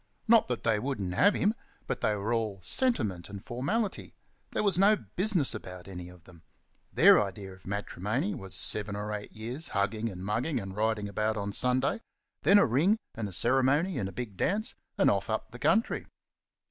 Not that they wouldn't have him; but they were all sentiment and formality there was no business about any of them; their idea of matrimony was seven or eight years' hugging and mugging and riding about on Sunday, then a ring and a ceremony and a big dance, and off up the country.